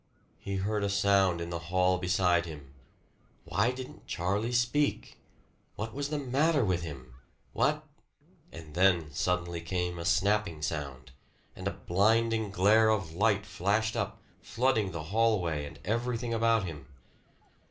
He heard a sound in the hall beside him. Why didn't Charlie speak? What was the matter with him? What And then suddenly came a snapping sound, and a blinding glare of light flashed up, flooding the hallway and everything about him.